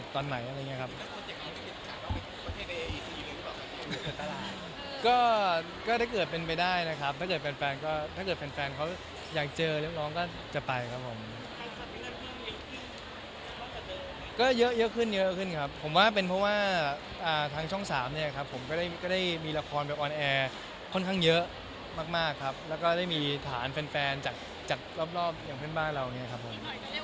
อะไรอย่างนี้ครับถ้าเกิดแฟนก็ถ้าเกิดแฟนเขาอยากเจอเรียกร้องก็จะไปครับผมก็เยอะขึ้นเยอะขึ้นครับผมว่าเป็นเพราะว่าทางช่อง๓เนี่ยครับผมก็ได้มีละครไปออนแอร์ค่อนข้างเยอะมากครับแล้วก็ได้มีฐานแฟนจากรอบอย่างเพื่อนบ้านเราเนี่ยครับผม